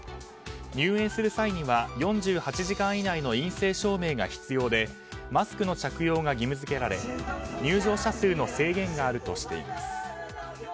入園する際には４８時間以内の陰性証明が必要でマスクの着用が義務付けられ入場者数の制限があるとしています。